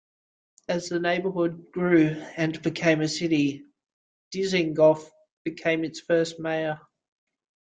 As the neighborhood grew and became a city, Dizengoff became its first mayor.